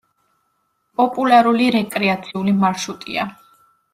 პოპულარული რეკრეაციული მარშრუტია.